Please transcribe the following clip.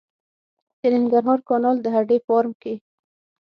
د ننګرهار کانال د هډې فارم کې